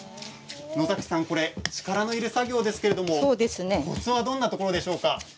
野崎さん、これ力のいる作業ですけれどコツはどんなところですか。